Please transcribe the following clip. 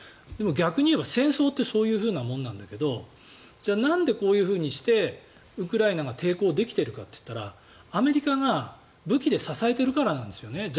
でも逆に戦争ってそういうものだけどじゃあ、なんでこういうふうにしてウクライナが抵抗できてるかというとアメリカが武器で支えているからなんですよね